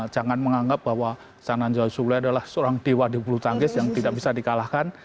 jangan menganggap bahwa zhang nan zhao yunle adalah seorang dewa di bulu tangis yang tidak bisa di kalahkan